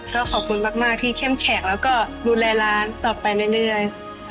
ก็ขอบคุณมากที่เข้มแฉกแล้วก็ดูแลร้านต่อไปเรื่อย